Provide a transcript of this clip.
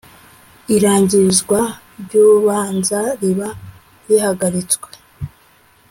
Irangizwa ry urubanza riba rihagaritswe